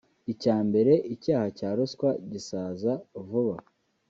Icya mbere icyaha cya ruswa gisaza vuba